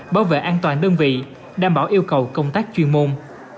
bảo vệ an toàn đơn vị đảm bảo yêu cầu công tác chuyên môn